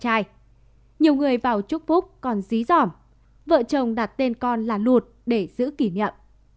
trong ngày này nhiều người vào chúc phúc còn dí dỏm vợ chồng đặt tên con là lụt để giữ kỷ niệm